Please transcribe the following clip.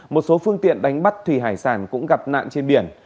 một số phương tiện đánh bắt thủy hải sản cũng gặp nạn trên biển